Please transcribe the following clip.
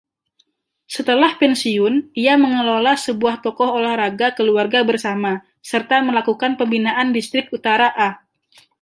Setelah pensiun ia mengelola sebuah toko olahraga keluarga bersama, serta melakukan pembinaan Distrik Utara A.